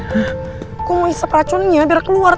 apa abisnya sih gak hati hati tadi